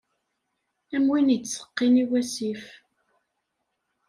Am win yettseqqin i wasif.